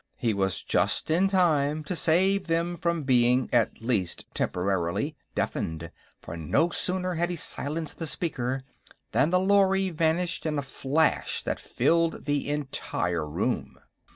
He was just in time to save them from being, at least temporarily, deafened, for no sooner had he silenced the speaker than the lorry vanished in a flash that filled the entire room.